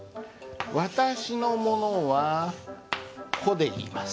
私のものは「こ」で言います。